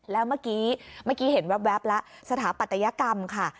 แล้วเมื่อกี้เห็นแว๊บแล้วสถาปัตยกรรมค่ะ